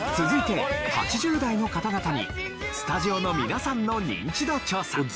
続いて８０代の方々にスタジオの皆さんのニンチド調査。